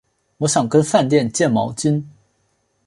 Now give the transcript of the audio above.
我想跟饭店借毛巾